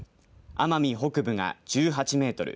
奄美北部が１８メートル